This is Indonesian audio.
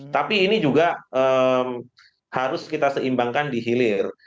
tapi ini juga harus kita seimbangkan di hilir